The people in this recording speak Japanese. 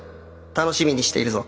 楽しみにしているぞ。